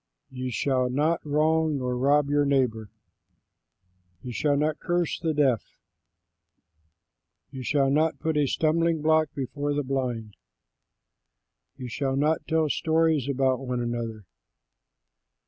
You shall not wrong nor rob your neighbor. You shall not curse the deaf. You shall not put a stumbling block before the blind. You shall not tell stories about one another.